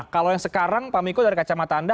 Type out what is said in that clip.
kalau yang sekarang pak miko dari kacamatanda